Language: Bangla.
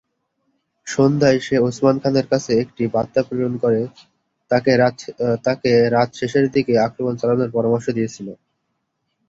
সন্ধ্যায় সে ওসমান খানের কাছে একটি বার্তা প্রেরণ করে তাকে রাত শেষের দিকে আক্রমণ চালানোর পরামর্শ দিয়েছিল।